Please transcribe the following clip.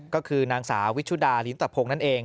ก็คือนางสาวิชุดาลีนุตภงนั่นเอง